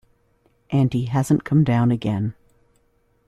'And he hasn't come down again.